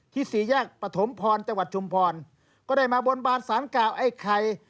สี่แยกปฐมพรจังหวัดชุมพรก็ได้มาบนบานสารกล่าวไอ้ไข่